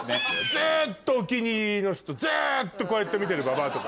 ずっとお気に入りの人ずっとこうやって見てるババアとか。